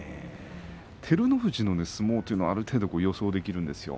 照ノ富士の相撲というのはある程度予想ができます。